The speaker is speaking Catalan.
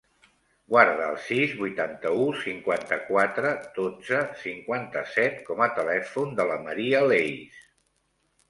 Guarda el sis, vuitanta-u, cinquanta-quatre, dotze, cinquanta-set com a telèfon de la Maria Leis.